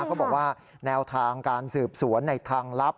เขาบอกว่าแนวทางการสืบสวนในทางลับ